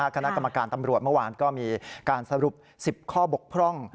คณะกรรมการตำรวจเมื่อวานก็มีการสรุป๑๐ข้อบกพร่อง